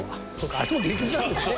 あれも芸術なんですね。